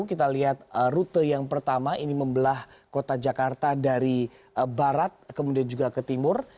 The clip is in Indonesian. kita lihat rute yang pertama ini membelah kota jakarta dari barat kemudian juga ke timur